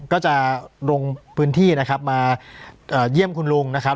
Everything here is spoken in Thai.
ก็จะลงพื้นที่นะครับมาเยี่ยมคุณลุงนะครับ